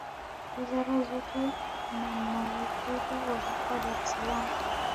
wizara zote na mawaziri walikuwa dar es salaam